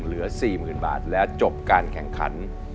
เหลือ๔๐๐๐บาทแล้วจบการแข่งขัน